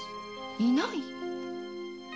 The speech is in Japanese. いない？